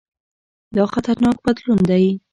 دا خطرناک بدلون دی.